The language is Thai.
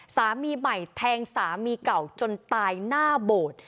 สามีใหม่แทงสามีเก่าจนตายหน้าโบสถ์